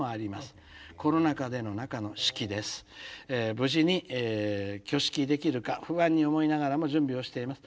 無事に挙式できるか不安に思いながらも準備をしています」。